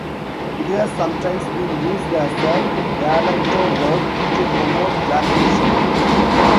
It has sometimes been used as a galactogogue to promote lactation.